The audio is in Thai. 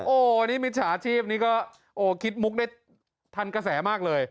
โอ้โหนี่มิจฉาชีพนี้ก็โอ้คิดมุกได้ทันกระแสมากเลย